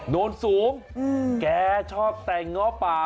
โน้นสูงแกชอบแต่งเงาะป่า